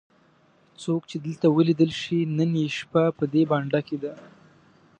څوک چې دلته ولیدل شي نن یې شپه په دې بانډه کې ده.